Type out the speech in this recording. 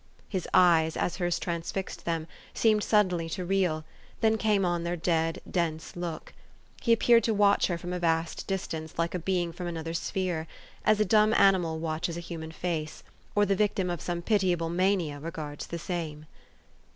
His eyes, as hers transfixed them, seemed suddenly to reel ; then came on their dead, dense look. He ap peared to watch her from a vast distance like a being from another sphere ; as a dumb animal watches a human face ; or the victim of some pitiable mania regards the sane.